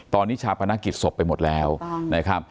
ตอนนี้ชาปนกิจศพไปหมดแล้วนะครับ